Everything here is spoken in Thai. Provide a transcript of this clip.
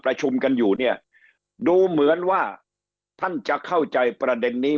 ประชุมกันอยู่เนี่ยดูเหมือนว่าท่านจะเข้าใจประเด็นนี้